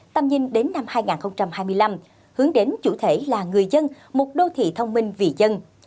tầm nhìn đến năm hai nghìn hai mươi năm hướng đến chủ thể là người dân một đô thị thông minh vì dân